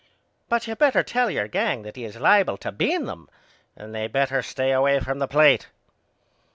But you better tell your gang that he is liable to bean them and they better stay away from the plate.